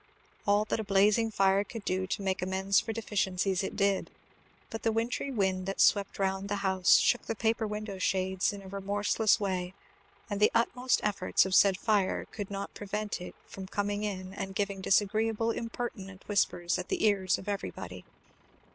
All that a blazing fire could do to make amends for deficiencies, it did; but the wintry wind that swept round the house shook the paper window shades in a remorseless way; and the utmost efforts of said fire could not prevent it from coming in and giving disagreeable impertinent whispers at the ears of everybody.